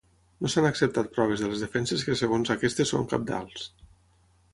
No s’han acceptat proves de les defenses que segons aquestes són cabdals.